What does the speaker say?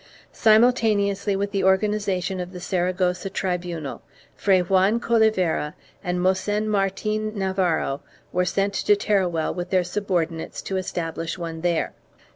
Simultaneously with the organization of the Saragossa tribunal, Fray Juan Colivera and Mossen Martin Navarro were sent to Teruel with their subordinates to establish one there.